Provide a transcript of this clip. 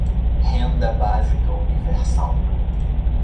Renda Básica Universal